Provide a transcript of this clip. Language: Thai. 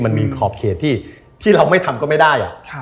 มันมีขอบเขตที่เราไม่ทำก็ไม่ได้